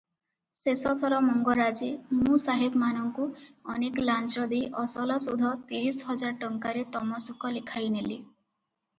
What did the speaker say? ଶେଷଥର ମଙ୍ଗରାଜେ ମୁସାହେବମାନଙ୍କୁ ଅନେକ ଲାଞ୍ଚ ଦେଇ ଅସଲ ସୁଧ ତିରିଶ ହଜାର ଟଙ୍କାରେ ତମସୁକ ଲେଖାଇନେଲେ ।